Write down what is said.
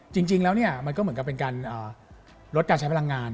จริงแล้วมันก็เหมือนกับเป็นการลดการใช้พลังงาน